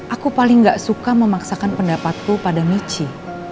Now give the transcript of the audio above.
aku paling gak suka memaksakan pendapatku pada michi